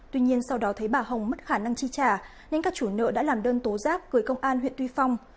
tuy nhiên sau đó thấy bà hồng mất khả năng chi trả nên các chủ nợ đã làm đơn tố giác gửi công an huyện tuy phong